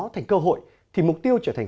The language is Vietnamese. thành cơ hội thì mục tiêu trở thành